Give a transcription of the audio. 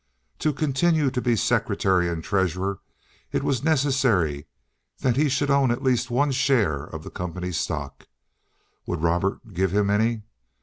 To continue to be secretary and treasurer, it was necessary that he should own at least one share of the company's stock. Would Robert give him any?